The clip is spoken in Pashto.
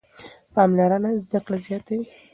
پاملرنه زده کړه زیاتوي.